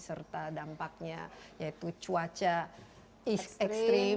serta dampaknya yaitu cuaca ekstrim